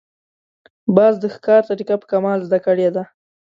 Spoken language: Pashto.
باز د ښکار طریقه په کمال زده کړې ده